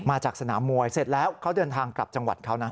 มาจากสนามมวยเสร็จแล้วเขาเดินทางกลับจังหวัดเขานะ